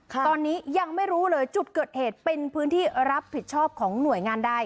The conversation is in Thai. ตอนนี้ยังไม่รู้เลยจุดเกิดเหตุเป็นพื้นที่รับผิดชอบของหน่วยงานใด